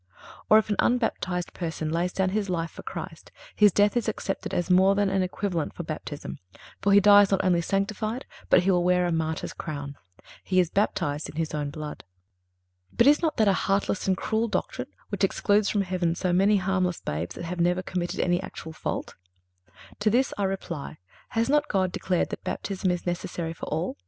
Or, if an unbaptized person lays down his life for Christ, his death is accepted as more than an equivalent for baptism; for he dies not only sanctified, but he will wear a martyr's crown. He is baptized in his own blood. But is not that a cruel and heartless doctrine which excludes from heaven so many harmless babes that have never committed any actual fault? To this I reply: Has not God declared that Baptism is necessary for all?